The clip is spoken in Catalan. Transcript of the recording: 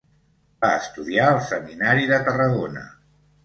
Va estudiar al Seminari de Tarragona.